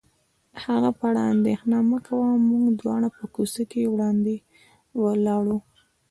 د هغه په اړه اندېښنه مه کوه، موږ دواړه په کوڅه کې وړاندې ولاړو.